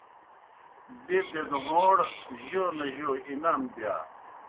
بیْہ بَیْدہوݩڑ جوْ نہ جوْ انعام دِیا۔